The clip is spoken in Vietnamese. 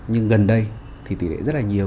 nhưng gần đây thì tỉ lệ rất là nhiều